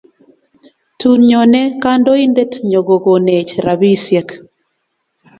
Tun nyone kandoindet nyon kokonech rabisiek